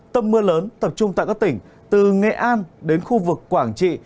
tâm mưa lớn tập trung tại các tỉnh từ nghệ an đến khu vực quảng trị